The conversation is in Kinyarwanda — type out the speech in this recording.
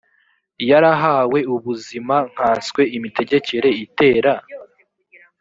yarahawe ubwiza nkanswe imitegekere itera